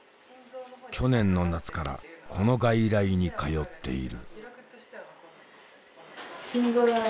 去年の夏からこの外来に通っている。